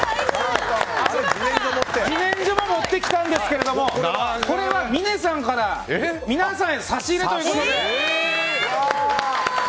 自然薯も持ってきたんですけどもこれは峰さんから皆さんへの差し入れということで。